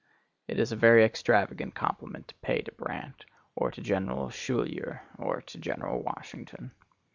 It is a very extravagant compliment to pay to Brant, or to General Schuyler, or to General Washington.